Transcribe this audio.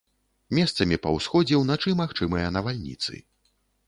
Месцамі па ўсходзе ўначы магчымыя навальніцы.